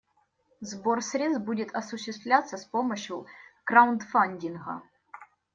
Сбор средств будет осуществляться с помощью краудфандинга.